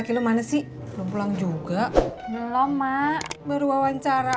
gue dari pagi belum narik